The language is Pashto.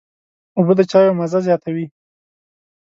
اوبه د چايو مزه زیاتوي.